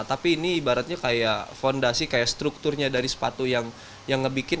tapi ini ibaratnya kayak fondasi kayak strukturnya dari sepatu yang ngebikin